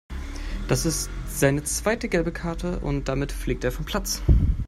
Das ist seine zweite gelbe Karte und damit fliegt er vom Platz.